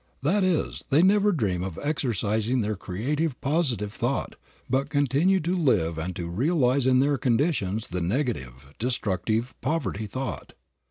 That is, they never dream of exercising their creative, positive thought, but continue to live and to realize in their conditions the negative, destructive, poverty thought.